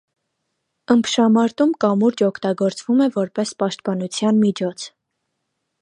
Ըմբշամարտում կամուրջ օգտագործվում է որպես պաշտպանության միջոց։